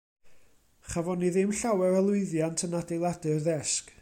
Chafon ni ddim llawer o lwyddiant yn adeiladu'r ddesg.